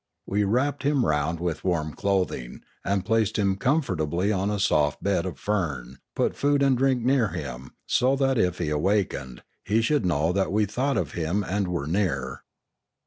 We wrapped him round with warm clothing, and placing him comfortably on a soft bed of fern put food and drink near him, so that, if he wakened, he should know we had thought of him and were near.